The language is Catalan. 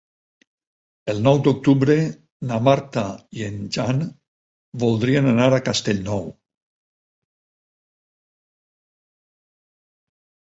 El nou d'octubre na Marta i en Jan voldrien anar a Castellnou.